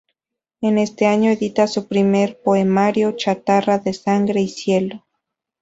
En este año edita su primer poemario "Chatarra de Sangre y Cielo".